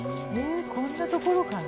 えこんなところから。